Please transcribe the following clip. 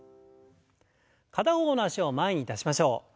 片方の脚を前に出しましょう。